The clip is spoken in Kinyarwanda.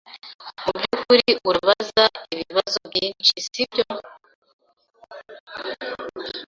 Mubyukuri urabaza ibibazo byinshi, sibyo?